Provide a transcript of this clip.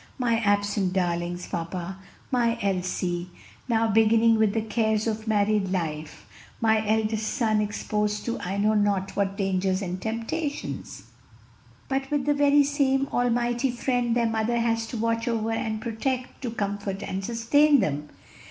"My absent darlings, papa: my Elsie, now beginning with the cares of married life, my eldest son exposed to I know not what dangers and temptations." "But with the very same Almighty Friend their mother has to watch over and protect, to comfort and sustain them."